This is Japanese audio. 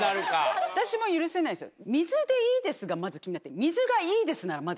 私も許せないんですよ。